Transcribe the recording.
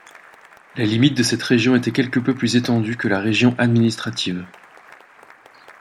Les limites de cette région étaient quelque peu plus étendues que la région administrative.